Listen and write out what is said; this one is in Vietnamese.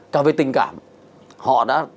cả về tình cảm họ đã